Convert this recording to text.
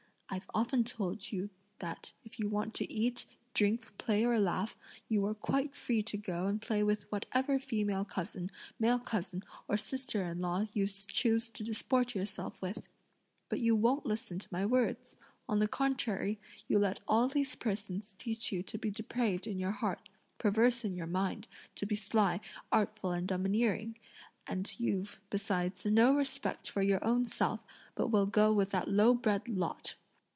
I've often told you that if you want to eat, drink, play, or laugh, you were quite free to go and play with whatever female cousin, male cousin, or sister in law you choose to disport yourself with; but you won't listen to my words. On the contrary, you let all these persons teach you to be depraved in your heart, perverse in your mind, to be sly, artful, and domineering; and you've, besides, no respect for your own self, but will go with that low bred lot!